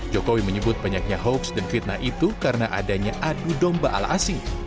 jokowi menyebut banyaknya hoaks dan fitnah itu karena adanya adu domba ala asing